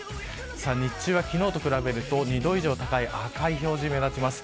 日中は昨日と比べると２度以上高い赤い表示が目立ちます。